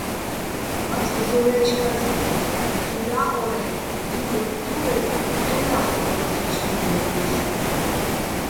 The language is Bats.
მაწყ ზორაჲში̆ კაძიკ ხი და́ღორ-ე რიგ ოთთუ́ერ, ჺედა́ხკერ ო́სი ჩხინდურ დოშ.